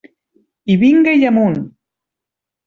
I vinga i amunt.